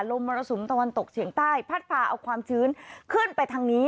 มรสุมตะวันตกเฉียงใต้พัดพาเอาความชื้นขึ้นไปทางนี้